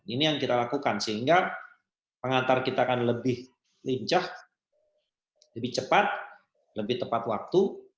ini yang kita lakukan sehingga pengantar kita akan lebih lincah lebih cepat lebih tepat waktu